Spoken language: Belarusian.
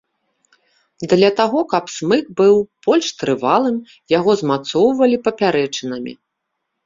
Для таго каб смык быў больш трывалым, яго змацоўвалі папярэчынамі.